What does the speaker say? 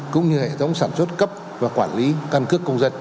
cũng như hệ thống sản xuất cấp và quản lý căn cước công dân